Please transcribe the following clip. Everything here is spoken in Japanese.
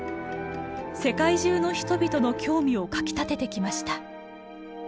世界中の人々の興味をかきたててきました。